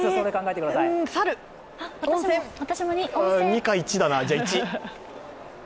２か１だな、じゃあ１。